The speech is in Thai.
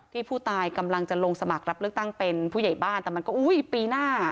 ที่ผู้ตายกำลังจะลงสมัครรับเลือกตั้งเป็นผู้ใหญ่บ้านแต่มันก็อุ้ยปีหน้า